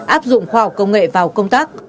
áp dụng khoa học công nghệ vào công tác